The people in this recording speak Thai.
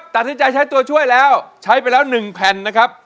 ตัดสินใจใช้ตัวช่วยแล้วใช้ไปแล้ว๑แผ่นนะครับ